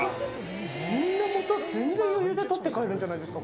みんな全然、元、余裕で取って帰れるんじゃないですか。